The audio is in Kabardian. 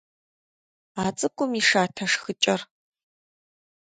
А цӏыкӏум и шатэ шхыкӏэр.